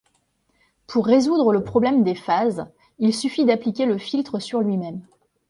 Pour résoudre le problème des phases, il suffit d'appliquer le filtre sur lui-même.